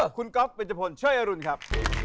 คุณก๊อฟเป็นเจมส์ช่วยอรุณครับ